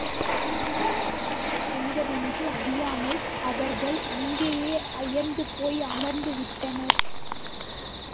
மேலே என்ன செய்வதென்று அறியாமல் அவர்கள் அங்கேயே அயர்ந்துபோய் அமர்ந்து விட்டனர்.